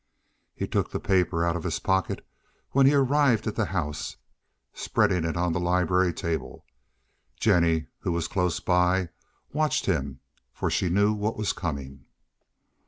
He took the paper out of his pocket when he arrived at the house, spreading it on the library table. Jennie, who was close by, watched him, for she knew what was coming.